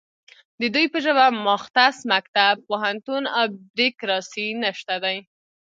د دوی په ژبه مختص مکتب، پوهنتون او بیرکراسي نشته دی